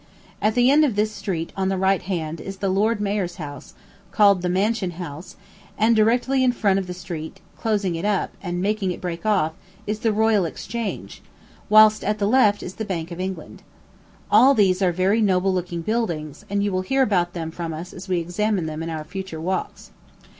At the end of this street, on the right hand, is the lord mayor's house, called the Mansion House, and directly in front of the street, closing it up, and making it break off, is the Royal Exchange; whilst at the left is the Bank of England. All these are very noble looking buildings, and you will hear about them from us as we examine them in our future walks.